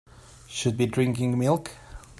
Should be drinking milk.